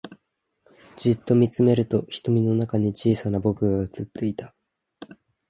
じっと見つめると瞳の中に小さな僕が映っていた